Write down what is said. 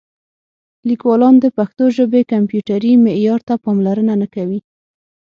لیکوالان د پښتو ژبې کمپیوټري معیار ته پاملرنه نه کوي.